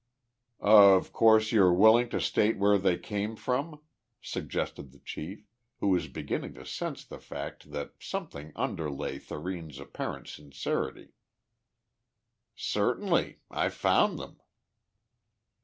"Of course you're willing to state where they came from?" suggested the chief, who was beginning to sense the fact that something underlay Thurene's apparent sincerity. "Certainly. I found them."